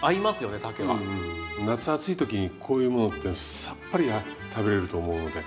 夏暑い時にこういうものってさっぱり食べれると思うので。